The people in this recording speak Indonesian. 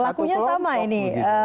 pelakunya sama ini